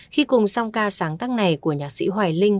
khi cùng song ca sáng tác này của nhạc sĩ hoài linh